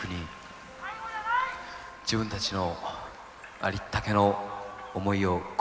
自分たちのありったけの思いを込めて。